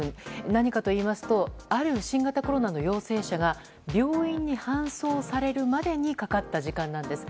何かといいますとある新型コロナの陽性者が病院に搬送されるまでにかかった時間なんです。